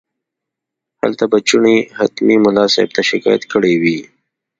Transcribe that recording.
هلته به چڼي حتمي ملا صاحب ته شکایت کړی وي.